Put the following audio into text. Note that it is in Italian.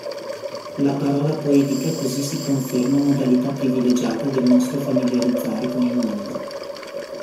La parola poetica così si conferma modalità privilegiata del nostro familiarizzare con il mondo.